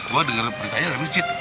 gue denger perintahnya ada misi